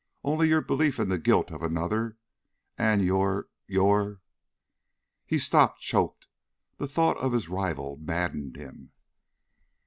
Only your belief in the guilt of another and your your " He stopped, choked. The thought of his rival maddened him.